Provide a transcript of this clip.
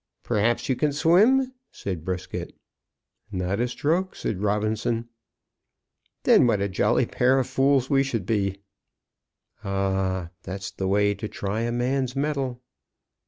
"Perhaps you can swim?" said Brisket. "Not a stroke!" said Robinson. "Then what a jolly pair of fools we should be!" "Ah h h h! That's the way to try a man's metal!"